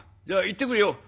じゃあ行ってくるよ」。